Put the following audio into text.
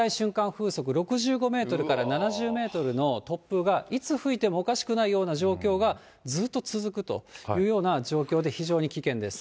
風速６５メートルから７０メートルの突風が、いつ吹いてもおかしくないような状況がずっと続くというような状況で、非常に危険です。